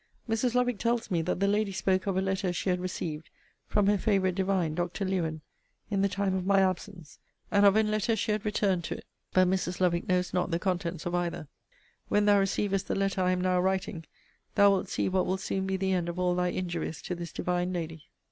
Mrs. Lovick tells me that the lady spoke of a letter she had received from her favourite divine Dr. Lewen, in the time of my absence; and of an letter she had returned to it. But Mrs. Lovick knows not the contents of either. When thou receivest the letter I am now writing, thou wilt see what will soon be the end of all thy injuries to this divine lady.